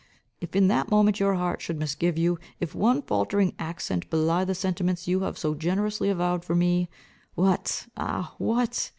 If, in that moment, your heart should misgive you, if one faultering accent belie the sentiments you have so generously avowed for me, what, ah, what!